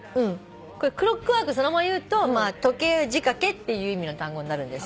クロックワークそのまま言うと時計仕掛けっていう意味の単語になるんですけども。